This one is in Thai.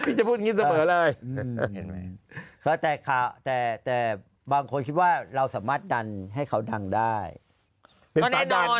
แน่นอนยังไงเขาก็คิดว่าเนื้อสามารถเราจะดันใคร